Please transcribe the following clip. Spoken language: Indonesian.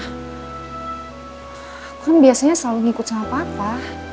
hai kan biasanya selalu ikut sama papa